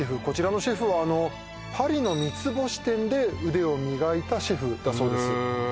こちらのシェフはあのパリの三つ星店で腕を磨いたシェフだそうです